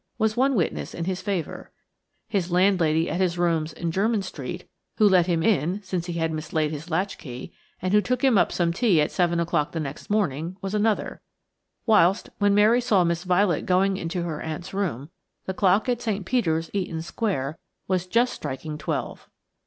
was one witness in his favour; his landlady at his rooms in Jermyn Street, who let him in, since he had mislaid his latchkey, and who took him up some tea at seven o'clock the next morning, was another; whilst, when Mary saw Miss Violet going into her aunt's room, the clock at St. Peter's, Eaton Square, was just striking twelve.